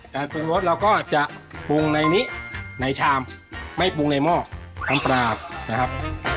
แต่ปรุงรสเราก็จะปรุงในนี้ในชามไม่ปรุงในหม้อทั้งปลานะครับ